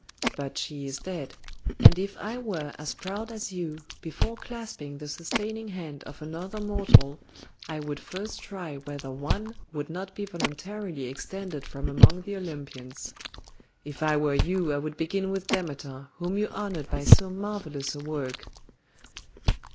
But she is dead, and if I were as proud as you, before clasping the sustaining hand of another mortal I would first try whether one would not be voluntarily extended from among the Olympians. If I were you, I would begin with Demeter, whom you honoured by so marvellous a work."